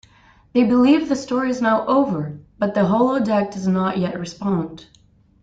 They believe the story is now over, but the holodeck does not yet respond.